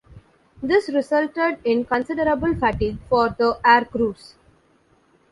This resulted in considerable fatigue for the air crews.